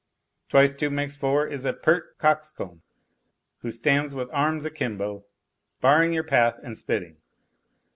Twice two makes four is a pert coxcomb who stands with arms akimbo barring your path and spitting.